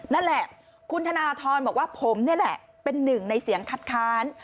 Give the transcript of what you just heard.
นั่นแหละคุณธนทรบอกว่าผมนี่แหละเป็นหนึ่งในเสียงคัดค้าน